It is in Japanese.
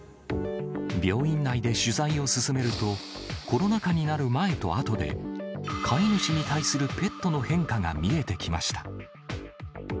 病院内で取材を進めると、コロナ禍になる前と後で、飼い主に対するペットの変化が見えてきました。